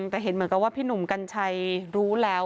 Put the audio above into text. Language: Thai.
แต่เห็นเหมือนกับว่าพี่หนุ่มกัญชัยรู้แล้ว